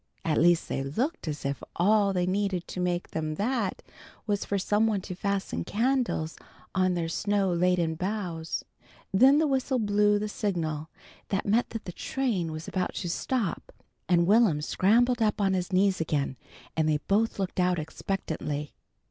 At least, they looked as if all they needed to make them that, was for some one to fasten candles on their snow laden boughs. Then the whistle blew the signal that meant that the train was about to stop, and Will'm scrambled up on his knees again, and they both looked out expectantly.